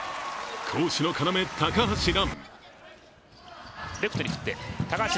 攻守の要・高橋藍。